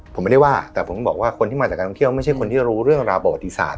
ผมไม่ได้ว่าแต่ผมบอกว่าคนที่มาจากการท่องเที่ยวไม่ใช่คนที่รู้เรื่องราวประวัติศาสต